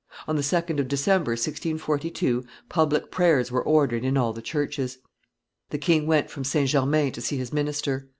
On the 2d of December, 1642, public prayers were ordered in all the churches; the king went from St. Germain to see his minister.